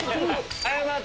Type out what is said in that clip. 謝って。